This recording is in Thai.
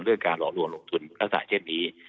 เรื่องการหลอกลวงลงทุนรักษาเช่นนี้